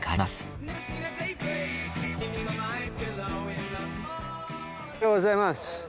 おはようございます。